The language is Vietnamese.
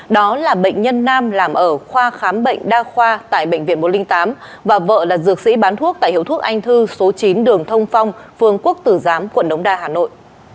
đó là bệnh nhân nam làm ở khoa khám bệnh đa khoa tại bệnh viện một trăm linh tám và vợ là dược sĩ bán thuốc tại hiệu thuốc anh thư số chín đường thông phong phường quốc tử giám quận đống đa hà nội